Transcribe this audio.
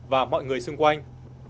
và mọi người xung quanh